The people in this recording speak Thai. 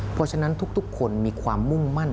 เพราะฉะนั้นทุกคนมีความมุ่งมั่น